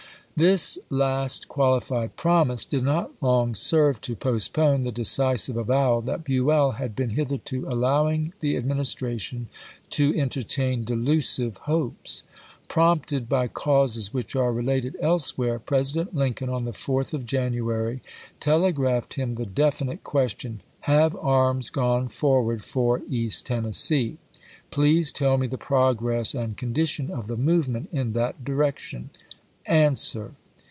This last qualified promise did not long serve to postpone the decisive avowal that Buell had been hitherto allowing the Administration to entertain delusive hopes. Prompted by causes which are re lated elsewhere, President Lincoln, on the 4th of January, telegi'aphed him the definite question: Lincoln to " Havc arms gone forward for East Tennessee ? jan.ris62. Please tell me the progress and condition of the vir..p. 53o". movement in that dii'ection. iinswer."